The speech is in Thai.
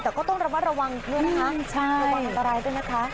แต่ก็ต้องระวังด้วยนะคะใช่ระวังตัวไร้ด้วยนะคะ